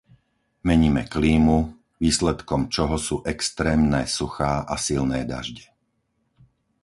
Meníme klímu, výsledkom čoho sú extrémne suchá a silné dažde.